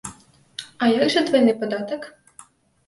А як жа двайны падатак?